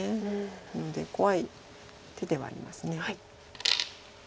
なので怖い手ではあります。